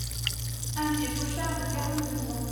Un vieux pochard de quarante-deux ans…